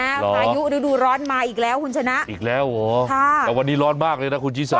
พายุฤดูร้อนมาอีกแล้วคุณชนะอีกแล้วเหรอค่ะแต่วันนี้ร้อนมากเลยนะคุณชิสา